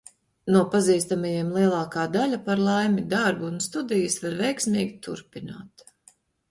No pazīstamajiem lielākā daļa, par laimi, darbu un studijas var veiksmīgi turpināt.